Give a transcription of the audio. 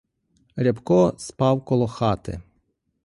Рябко спав коло хати.